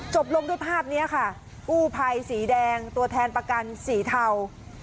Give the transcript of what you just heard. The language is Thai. จบลงด้วยภาพนี้ค่ะกู้ภัยสีแดงตัวแทนประกันสีเทา